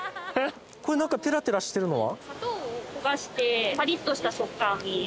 これ何かてらてらしてるのは？